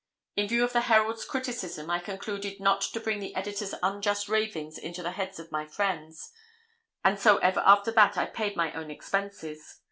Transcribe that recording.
In view of the Herald's criticism, I concluded not to bring the editor's unjust ravings onto the heads of my friends, and so ever after that I paid my own expenses.